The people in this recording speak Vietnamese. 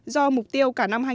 do mục tiêu cả năm